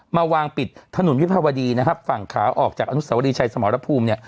มาวางปิดถนนวิภาวดีฝั่งขาวออกจากอ้านุสาวดีชายสมรพภูมิ